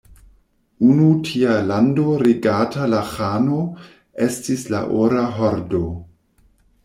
Unu tia lando regata de ĥano estis la Ora Hordo.